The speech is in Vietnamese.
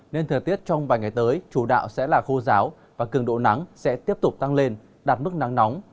nên thời tiết trong vài ngày tới chủ đạo sẽ là khô giáo và cường độ nắng sẽ tiếp tục tăng lên đạt mức nắng nóng